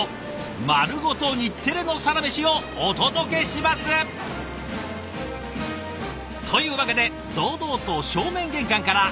丸ごと日テレの「サラメシ」をお届けします！というわけで堂々と正面玄関から！